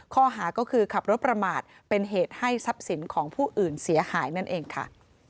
ข้อหาก็คือขับรถประมาทเป็นเหตุให้ทรัพย์สินของผู้อื่นเสียหายนั่นเองค่ะ